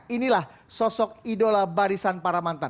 inilah sosok idola barisan para mantan